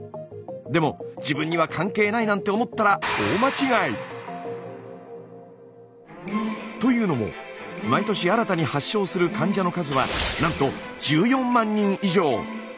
でも自分には関係ないなんて思ったら大間違い！というのも毎年新たに発症する患者の数はなんと１４万人以上。